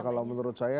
kalau menurut saya